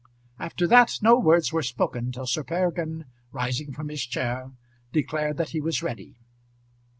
After that no words were spoken till Sir Peregrine, rising from his chair, declared that he was ready.